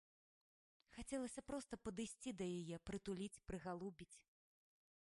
Хацелася проста падысці да яе, прытуліць, прыгалубіць.